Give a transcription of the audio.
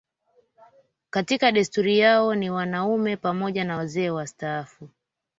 Katika desturi yao ni wanaume pamoja na wazee wastaafu